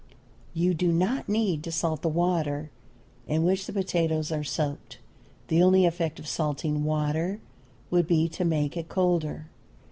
You do not need to salt the water in which the potatoes are soaked. The only effect of salting water would be to make it colder.